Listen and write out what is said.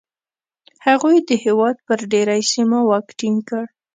هغوی د هېواد پر ډېری سیمو واک ټینګ کړ